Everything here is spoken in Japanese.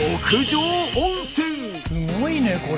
すごいねこれ。